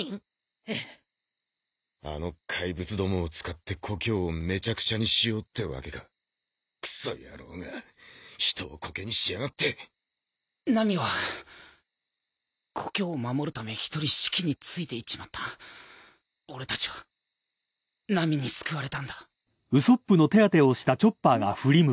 ええあの怪物どもを使って故郷をメチャクチャにしようってワケかクソ野郎が人をコケにしやがってナミは故郷を守るため一人シキについて行っちまった俺たちはナミに救われたんだおっ？